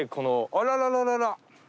あららららら。